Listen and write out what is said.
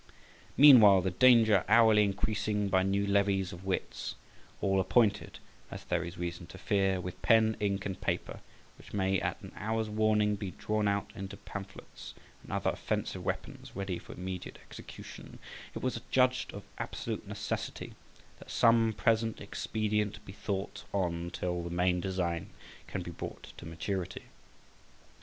Meanwhile, the danger hourly increasing, by new levies of wits, all appointed (as there is reason to fear) with pen, ink, and paper, which may at an hour's warning be drawn out into pamphlets and other offensive weapons ready for immediate execution, it was judged of absolute necessity that some present expedient be thought on till the main design can be brought to maturity.